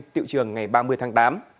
tiệu trường ngày ba mươi tháng tám